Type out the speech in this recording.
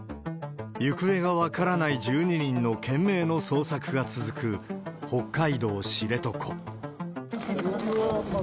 行方が分からない１２人の懸命の捜索が続く北海道知床。